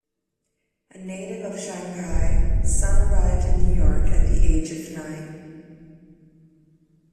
A native of Shanghai, Sun arrived in New York at the age of nine.